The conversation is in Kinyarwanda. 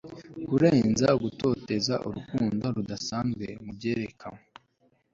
kurenza gutoteza urukundo rudasanzwe mubyerekanwe